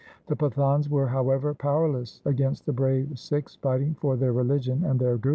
The Pathans were, however, powerless against the brave Sikhs fighting for their religion and their Guru.